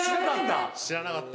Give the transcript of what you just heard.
知らなかった！